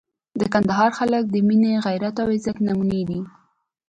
د کندهار خلک د مینې، غیرت او عزت نمونې دي.